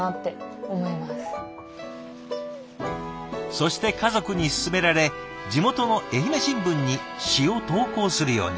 そして家族に勧められ地元の愛媛新聞に詩を投稿するように。